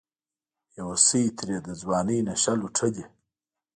بیوسۍ ترې د ځوانۍ نشه لوټلې